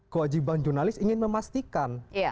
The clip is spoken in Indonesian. kewajiban jurnalis ingin memastikan